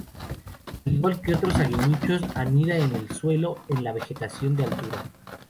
Al igual que otros aguiluchos anida en el suelo, en la vegetación de altura.